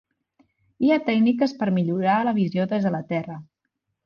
Hi ha tècniques per millorar la visió des de la Terra.